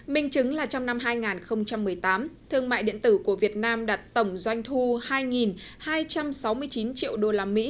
minh chứng là trong năm hai nghìn một mươi tám thương mại điện tử của việt nam đặt tổng doanh thu hai hai trăm sáu mươi chín triệu usd